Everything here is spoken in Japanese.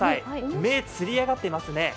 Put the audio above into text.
目、つり上がっていますね。